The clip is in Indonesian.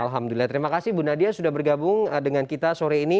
alhamdulillah terima kasih bu nadia sudah bergabung dengan kita sore ini